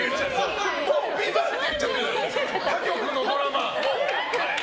他局のドラマ！